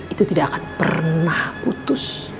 itu tidak akan pernah putus